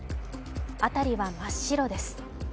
辺りは真っ白です。